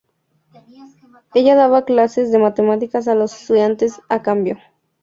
Ella daba clases de matemáticas a los estudiantes a cambio.